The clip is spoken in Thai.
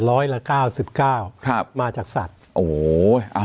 ร้อยละ๙๙มาจากสัตว์ครับโอ้โห